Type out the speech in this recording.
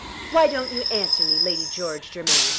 Why don't you answer me, Lady George Germain?"